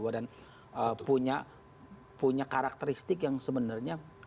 dan punya karakteristik yang sebenarnya